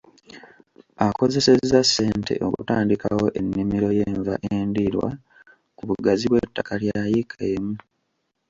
Akozesezza ssente okutandikawo ennimiro y'enva endiirwa ku bugazi bw'ettaka lya yiika emu.